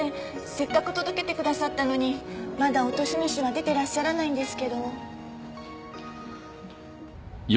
せっかく届けてくださったのにまだ落とし主は出てらっしゃらないんですけど。